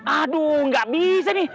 aduh gak bisa nih